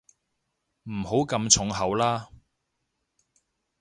唔好咁重口啦